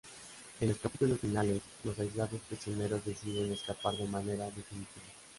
En los capítulos finales, los aislados prisioneros deciden escapar de manera definitiva.